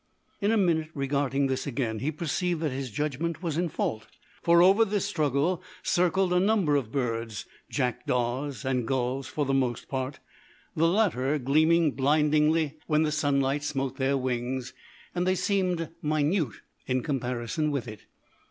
In a minute, regarding this again, he perceived that his judgment was in fault, for over this struggle circled a number of birds, jackdaws and gulls for the most part, the latter gleaming blindingly when the sunlight smote their wings, and they seemed minute in comparison with it.